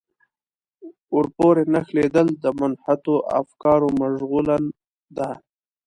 ورپورې نښلېدل د منحطو افکارو مشغولا ده.